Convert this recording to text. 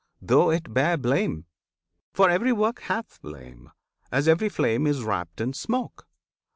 though it bear blame! For every work hath blame, as every flame Is wrapped in smoke!